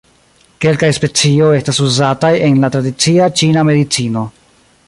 Kelkaj specioj estas uzataj en la tradicia ĉina medicino.